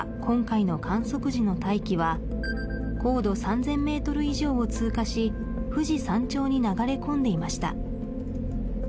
今回の観測時の大気は高度３０００メートル以上を通過し富士山頂に流れ込んでいました